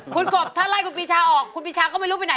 คุณกบถ้าไล่คุณปีชาออกคุณปีชาก็ไม่รู้ไปไหน